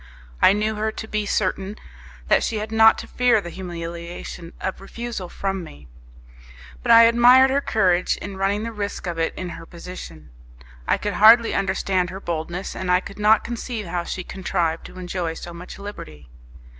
I knew her to be certain that she had not to fear the humiliation of a refusal from me, but I admired her courage in running the risk of it in her position. I could hardly understand her boldness, and I could not conceive how she contrived to enjoy so much liberty.